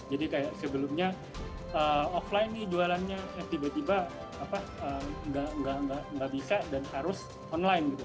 jadi kayak sebelumnya offline nih jualannya tiba tiba nggak bisa dan harus online gitu